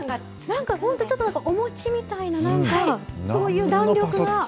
なんか本当、ちょっとお餅みたいな、なんか、そういう弾力が。